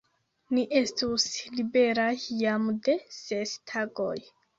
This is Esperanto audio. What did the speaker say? Ni estus liberaj jam de ses tagoj!